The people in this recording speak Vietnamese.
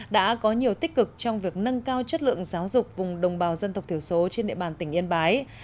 đã có nhiều tích cực trong việc nâng cao chất lượng giáo dục vùng đồng bào dân tộc thiểu số trên địa bàn tỉnh yên bái